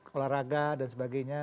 olahraga dan sebagainya